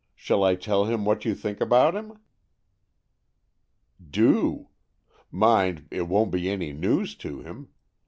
Shall I tell him what you think about him? "'' Do. Mind, it won't be any news to him.